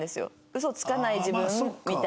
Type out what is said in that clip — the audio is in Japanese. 「ウソつかない自分」みたいな。